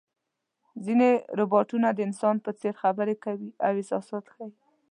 ځینې روباټونه د انسان په څېر خبرې کوي او احساسات ښيي.